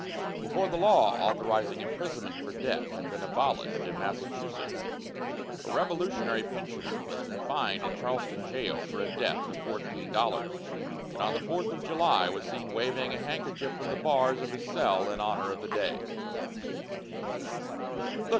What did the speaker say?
Before the law authorizing imprisonment for debt had been abolished in Massachusetts, a revolutionary pensioner was confined in Charlestown jail for a debt of fourteen dollars, and on the fourth of July was seen waving a handkerchief from the bars of his cell in honor of the day.